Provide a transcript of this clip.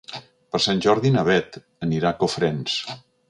Per Sant Jordi na Beth anirà a Cofrents.